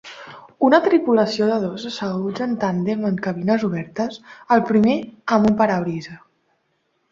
Una tripulació de dos, asseguts en tàndem en cabines obertes, el primer amb un parabrisa.